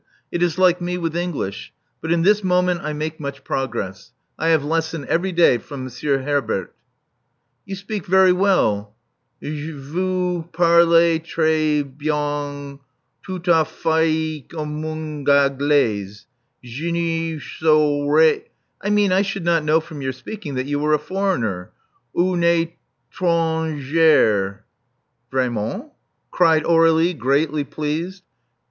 It is like me with English. But in this moment I make much progress. I have lesson every day from Monsieur Herbert." You speak very well. Vooparlaytraybyang — tootafaycumoononglays. Jinisoray — I mean I should not know from your speaking that you were a foreigner — oonaytronzhare. Vraiment?" cried Aurdlie, greatly pleased.